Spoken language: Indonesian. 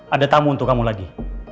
ada tamu untuk kamu lagi